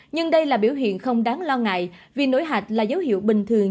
nhưng đây là biểu hiện không đáng lo ngại vì nổi hạch là dấu hiệu bình thường